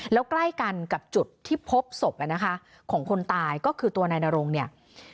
แล้วใกล้กันกับจุดที่พบศพอ่ะนะคะของคนตายก็คือตัวนายนรงเนี่ย